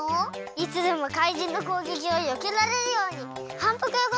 いつでもかいじんのこうげきをよけられるようにはんぷくよこ